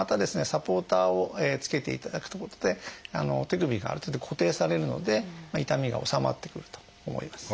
サポーターをつけていただくということで手首がある程度固定されるので痛みが治まってくると思います。